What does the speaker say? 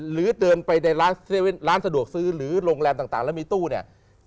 หรือเดินไปในร้านสะดวกซื้อหรือโรงแรมต่างแล้วมีตู้เนี่ย